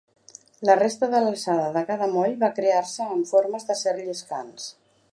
La resta de l'alçada de cada moll va crear-se amb formes d'acer lliscants.